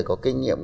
có kinh nghiệm